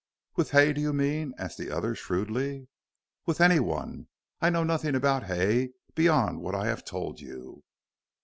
"With Hay, do you mean?" asked the other, shrewdly. "With anyone. I know nothing about Hay beyond what I have told you."